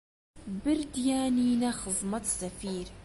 بردیانینە خزمەت سەفیر